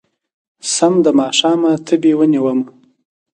سم د ماښامه تبې ونيومه